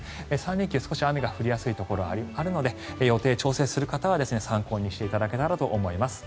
３連休、少し雨が降りやすいところがあるので予定を調整する方は参考にしていただけたらと思います。